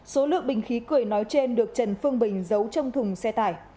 số lượng bình khí cười nói trên được trần phương bình giấu trong thùng xe tải